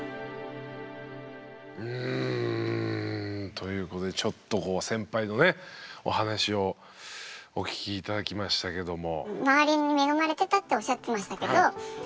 ということでちょっと先輩のねお話をお聞きいただきましたけども。